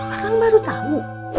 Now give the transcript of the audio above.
akang baru tahu